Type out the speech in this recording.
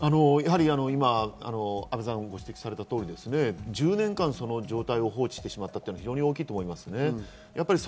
今、阿部さんがご指摘されたとおり、１０年間、その状態を放置したのは大きいと思います。